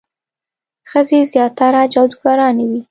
ښځې زیاتره جادوګرانې وي.